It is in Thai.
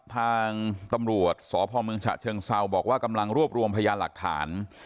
ทางตำรวจสพเมืองฉะเชิงเซาบอกว่ากำลังรวบรวมพยานหลักฐาน